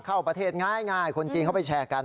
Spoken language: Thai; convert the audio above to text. เข้าประเทศง่ายคนจีนเขาไปแชร์กัน